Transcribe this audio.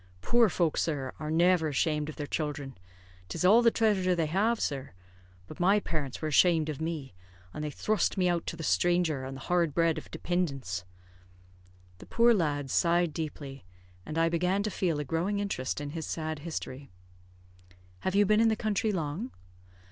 Poor folk, sir, are never ashamed of their children; 'tis all the threasure they have, sir; but my parents were ashamed of me, and they thrust me out to the stranger and the hard bread of depindence." The poor lad signed deeply, and I began to feel a growing interest in his sad history. "Have you been in the country long?"